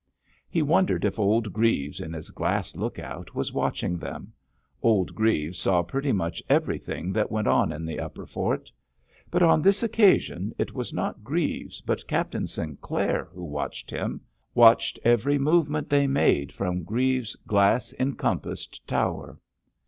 He wondered if old Greaves, in his glass look out, was watching them—old Greaves saw pretty much everything that went on in the upper fort. But on this occasion it was not Greaves, but Captain Sinclair who watched him—watched every movement they made from Greaves' glass encompassed tower.